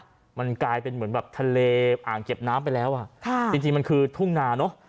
ดูสิมันกลายเป็นเหมือนแบบทะเลอ่งเก็บน้ำไปแล้วจริงมันคือทุ่งนาเนอะ